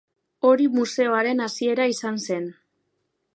Hori museoaren hasiera izan zen.